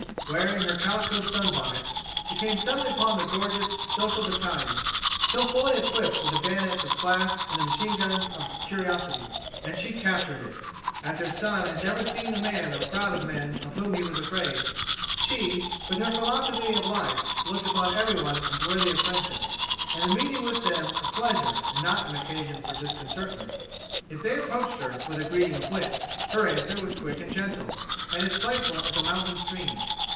Wearing her calico sunbonnet she came suddenly upon the gorgeous social battalion so fully equipped with the bayonets of class and the machine guns of curiosity. And she captured it! As her son had never seen the man or crowd of men of whom he was afraid, she, with her philosophy of life, looked upon everyone as worthy of friendship and the meeting with them a pleasure and not an occasion for disconcertment. If they approached her with a greeting of wit, her answer was quick and gentle, and as playful as a mountain stream.